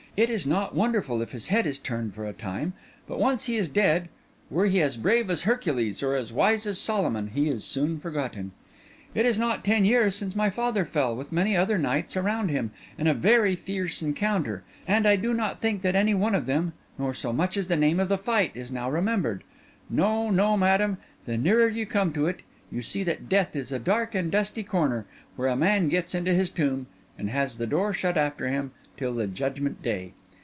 It is not wonderful if his head is turned for a time. But once he is dead, were he as brave as Hercules or as wise as Solomon, he is soon forgotten. It is not ten years since my father fell, with many other knights around him, in a very fierce encounter, and I do not think that any one of them, nor so much as the name of the fight, is now remembered. No, no, madam, the nearer you come to it, you see that death is a dark and dusty corner, where a man gets into his tomb and has the door shut after him till the judgment day.